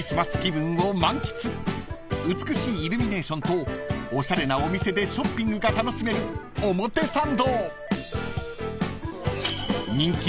［美しいイルミネーションとおしゃれなお店でショッピングが楽しめる表参道］